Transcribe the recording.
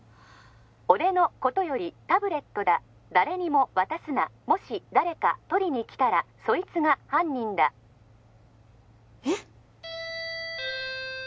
☎俺のことよりタブレットだ誰にも渡すな☎もし誰か取りに来たらそいつが犯人だえっ！？